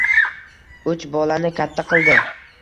Uch bolani katta qildi